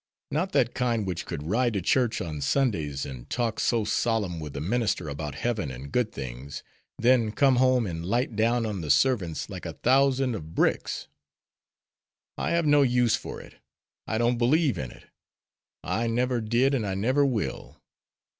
Not that kind which could ride to church on Sundays, and talk so solemn with the minister about heaven and good things, then come home and light down on the servants like a thousand of bricks. I have no use for it. I don't believe in it. I never did and I never will.